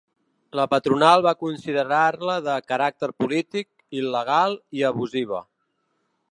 La patronal va considerar-la de “caràcter polític”, “il·legal” i “abusiva”.